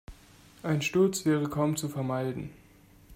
Ein Sturz wäre kaum zu vermeiden.